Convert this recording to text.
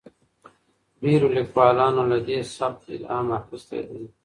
ډیرو لیکوالانو له دې سبک الهام اخیستی دی.